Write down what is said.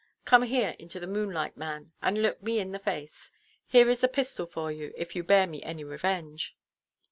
Come here into the moonlight, man; and look me in the face. Here is the pistol for you, if you bear me any revenge."